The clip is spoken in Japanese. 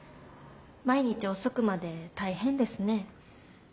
毎日遅くまで大変ですね。